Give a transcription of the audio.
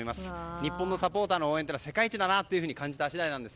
日本のサポーターの応援は世界一だなと感じた次第です。